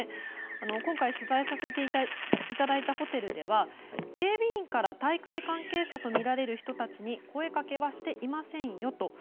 今回取材させていただいたホテルでは警備員から大会関係者とみられる人たちに声かけはしていませんよと。